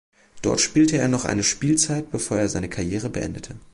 Dort spielte er noch eine Spielzeit, bevor er seine Karriere beendete.